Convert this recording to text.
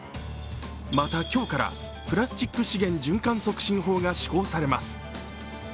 また、今日からプラスチック資源循環促進法が施行されます。